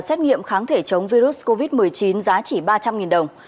sét nghiệm kháng thể chống virus covid một mươi chín giá trị ba trăm linh đồng